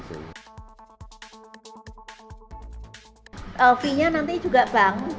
v nya nanti juga bank